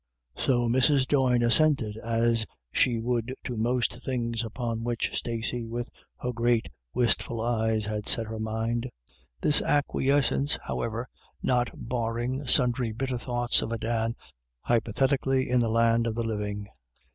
So Mrs. Doyne assented, as she would to most things upon which Stacey with her great wistful eyes had set her mind ; this acquiescence, however, not barring sundry bitter thoughts of a Dan hypo thetically in the land of the living.